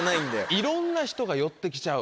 いろんな人が寄って来ちゃう